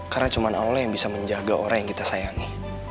karena cuma allah yang bisa menjaga orang yang kita sayangi